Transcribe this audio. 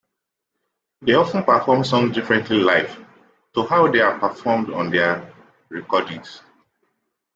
They often perform songs differently live to how they are performed on their recordings.